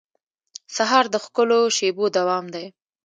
سهار د ښکلو شېبو دوام دی.